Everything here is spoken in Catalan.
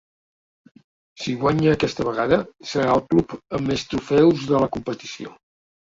Si guanya aquesta vegada, serà el club amb més trofeus de la competició.